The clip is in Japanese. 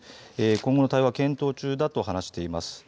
今後の対応は検討中だと話しています。